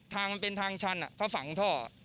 มันเป็นทางชันเขาฝังท่อ